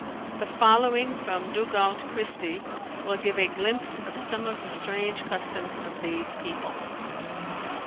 The following from Dugald Christie will give a glimpse of some of the strange customs of these people.